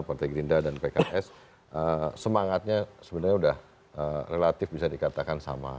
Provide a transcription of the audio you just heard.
partai gerindra dan pks semangatnya sebenarnya sudah relatif bisa dikatakan sama